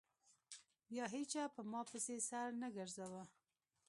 بيا هېچا په ما پسې سر نه گرځاوه.